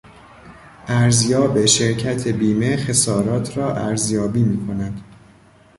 ارزیاب شرکت بیمه خسارات را ارزیابی میکند.